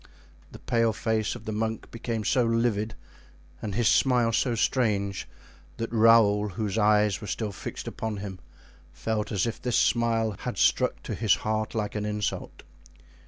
The pale face of the monk became so livid and his smile so strange, that Raoul, whose eyes were still fixed upon him, felt as if this smile had struck to his heart like an insult.